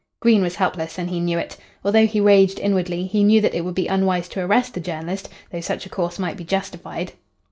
Green was helpless, and he knew it. Although he raged inwardly, he knew that it would be unwise to arrest the journalist, though such a course might be justified.